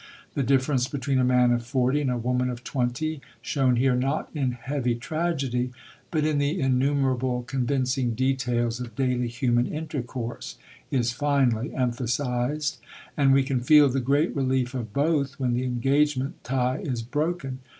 The difference between a man of forty and a woman of twenty, shown here not in heavy tragedy, but in the innumerable, convincing details of daily human intercourse, is finely emphasised; and we can feel the great relief of both when the engagement tie is broken.